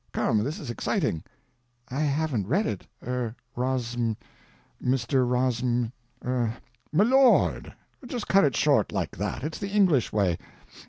_ Come, this is exciting." "I haven't read it—er—Rossm—Mr. Rossm—er—" "M'lord! Just cut it short like that. It's the English way.